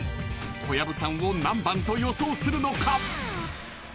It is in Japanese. ［小籔さんを何番と予想するのか？］